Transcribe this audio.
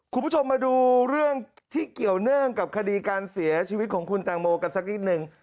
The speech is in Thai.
คุณผู้ชมมาดูเรื่องที่เกี่ยวเนื่องกับคดีการเสียชีวิตของคุณแตงโมกันสักนิดหนึ่ง